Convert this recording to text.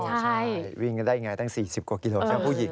ใช่วิ่งก็ได้อย่างไรตั้ง๔๐กว่ากิโลกรัมถ้าผู้หญิง